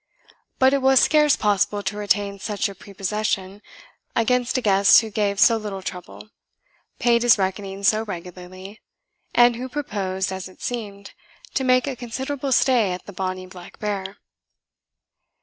But it was scarce possible to retain such a prepossession against a guest who gave so little trouble, paid his reckoning so regularly, and who proposed, as it seemed, to make a considerable stay at the bonny Black Bear.